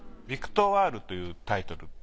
『ヴィクトワール』というタイトル。